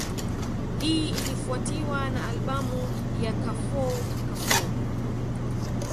Hii ilifuatiwa na albamu ya Kafou Kafou